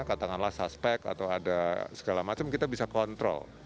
katakanlah suspek atau ada segala macam kita bisa kontrol